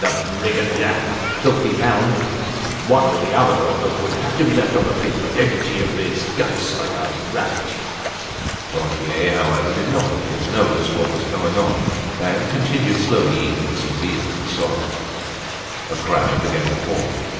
the brigand! Ah! the filthy hound! One or the other of them would have to be left on the pavement, emptied of his guts like a rabbit. Lantier, however, did not appear to notice what was going on and continued slowly eating some veal and sorrel. A crowd began to form.